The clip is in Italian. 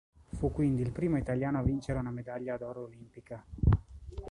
Fu quindi il primo italiano a vincere una medaglia d'oro olimpica.